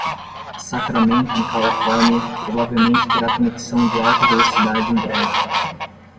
Sacramento, em Calafornia, provavelmente terá conexão de alta velocidade em breve.